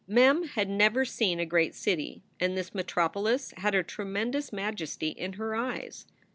Mem had never seen a great city, and this metropolis had a tremendous majesty in her eyes.